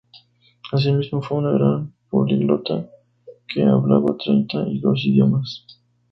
Él mismo fue un gran políglota que hablaba treinta y dos idiomas.